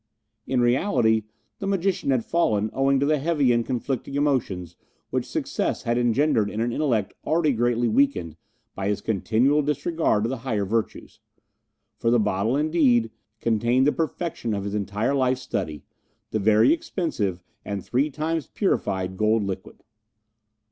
In reality, the magician had fallen owing to the heavy and conflicting emotions which success had engendered in an intellect already greatly weakened by his continual disregard of the higher virtues; for the bottle, indeed, contained the perfection of his entire life's study, the very expensive and three times purified gold liquid.